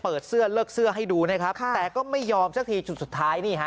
เปิดเสื้อเลิกเสื้อให้ดูนะครับแต่ก็ไม่ยอมสักทีจุดสุดท้ายนี่ฮะ